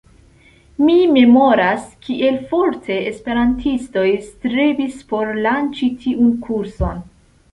Mi memoras, kiel forte esperantistoj strebis por lanĉi tiun kurson.